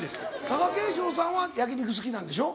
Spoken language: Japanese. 貴景勝さんは焼き肉好きなんでしょ。